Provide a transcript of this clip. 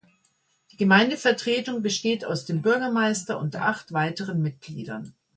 Die Gemeindevertretung besteht aus dem Bürgermeister und acht weiteren Mitgliedern.